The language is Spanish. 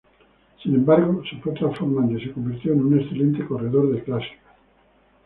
Sin embargo, se fue transformando y se convirtió en un excelente corredor de clásicas.